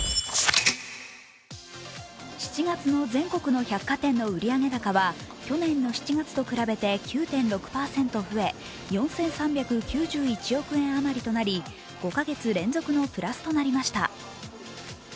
７月の全国の百貨店の売上高は去年の７月と比べて９．６％増え４３９１億円あまりとなり、５カ月連続のプラスとなりました。